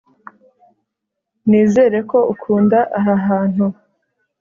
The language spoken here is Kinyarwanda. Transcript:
Nizere ko ukunda aha hantu